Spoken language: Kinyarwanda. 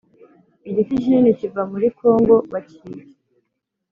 igiti kinini kiva muri kongo bakibye